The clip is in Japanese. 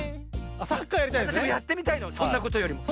わたしもやってみたいのそんなことよりも。